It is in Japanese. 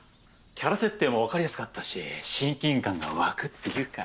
キャラ設定も分かりやすかったし親近感が湧くっていうか。